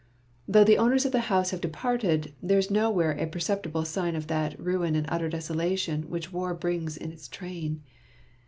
Though the owners of the house have departed, there is nowhere a perceptible sign of that ruin and utter desolation which war brings in its train.